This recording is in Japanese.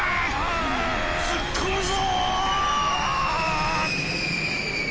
突っ込むぞ！